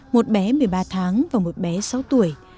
một bé một mươi ba tháng và một bé sáu tuổi